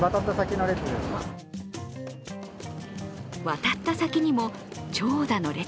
渡った先にも長蛇の列。